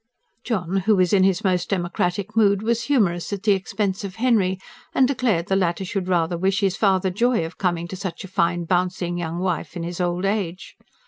John, who was in his most democratic mood, was humorous at the expense of Henry, and declared the latter should rather wish his father joy of coming to such a fine, bouncing young wife in his old age.